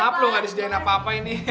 maaf lo gak disediain apa apa ini